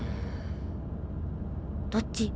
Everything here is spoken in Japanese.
どっち？